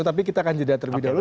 tapi kita akan jadikan terbidul